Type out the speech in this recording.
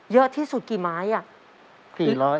เยอะที่สุดกี่ไม้อ่ะ